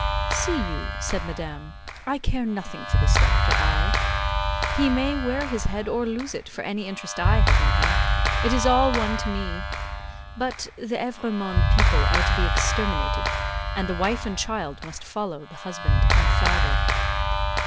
"See you," said madame, "I care nothing for this Doctor, I. He may wear his head or lose it, for any interest I have in him; it is all one to me. But, the Evrémonde people are to be exterminated, and the wife and child must follow the husband and father."